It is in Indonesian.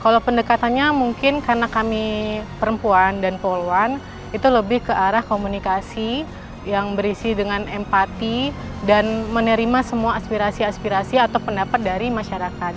kalau pendekatannya mungkin karena kami perempuan dan poluan itu lebih ke arah komunikasi yang berisi dengan empati dan menerima semua aspirasi aspirasi atau pendapat dari masyarakat